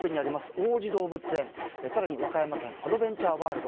王子動物園、更に和歌山県のアドベンチャーワールド